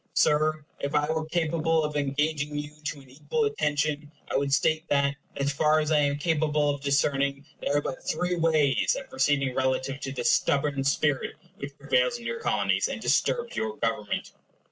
Sir, if I were capable of engaging you to an equal attention, I would state that, as far as I am capable of discerning, there are but three ways of proceeding relative to this stubborn spirit which prevails in your Colonies, and disturbs your government.